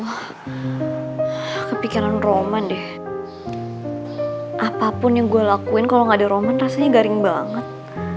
wah kepikiran roman deh apapun yang gue lakuin kalau gak ada roman rasanya garing banget